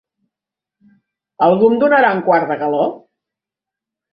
Algú em donarà un quart de galó?